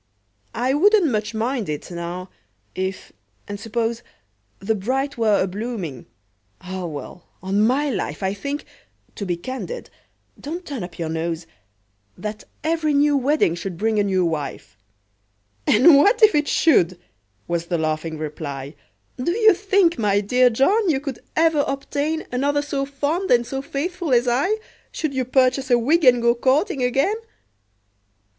"I wouldn't much mind it, now—if—and suppose— The bride were a blooming—Ah! well—on my life, I think—to be candid—(don't turn up your nose!) That every new wedding should bring a new wife!" "And what if it should?" was the laughing reply; "Do you think, my dear John, you could ever obtain Another so fond and so faithful as I, Should you purchase a wig, and go courting again?"